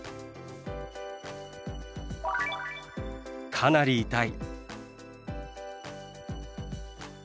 「かなり痛い」。